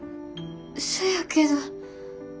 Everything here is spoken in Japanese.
そやけど。